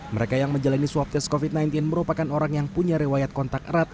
mereka yang menjalani swab tes covid sembilan belas merupakan orang yang punya rewayat kontak erat